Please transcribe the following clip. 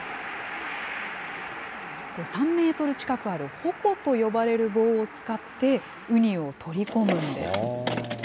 ３メートル近くあるほこと呼ばれる棒を使って、ウニを取り込むんです。